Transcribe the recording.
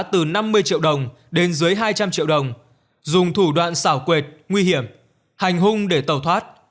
từ năm mươi triệu đồng đến dưới hai trăm linh triệu đồng dùng thủ đoạn xảo quyệt nguy hiểm hành hung để tàu thoát